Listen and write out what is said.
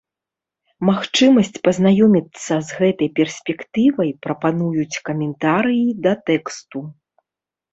Магчымасць пазнаёміцца з гэтай перспектывай прапануюць каментарыі да тэксту.